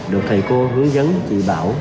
được thầy cô hướng dẫn chị bảo